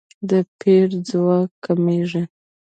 د پیر ځواک کمیږي.